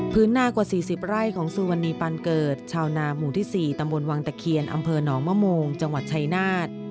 หน้ากว่า๔๐ไร่ของสุวรรณีปันเกิดชาวนาหมู่ที่๔ตำบลวังตะเคียนอำเภอหนองมะโมงจังหวัดชายนาฏ